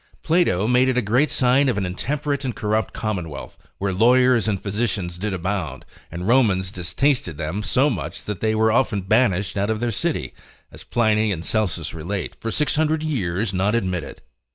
Plato made it a great sign of an intemperate and corrupt commonwealth, where lawyers and physicians did abound; and the Romans distasted them so much that they were often banished out of their city, as Pliny and Celsus relate, for 600 years not admitted.